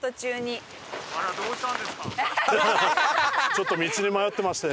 ちょっと道に迷ってまして。